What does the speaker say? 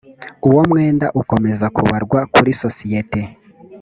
uwo mwenda ukomeza kubarwa kuri sosiyete